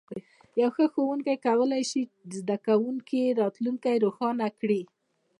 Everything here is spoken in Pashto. یو ښه ښوونکی کولی شي د زده کوونکي راتلونکی روښانه کړي.